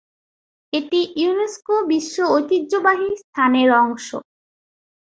এটি ইউনেস্কোর বিশ্ব ঐতিহ্যবাহী স্থানের অংশ।